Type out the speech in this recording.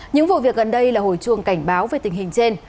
những vụ việc gần đây là hồi chuồng cảnh báo về tình hình trên